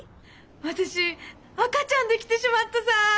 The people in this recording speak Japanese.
私赤ちゃんできてしまったさ！